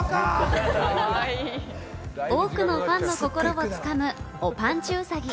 多くのファンの心をつかむおぱんちゅうさぎ。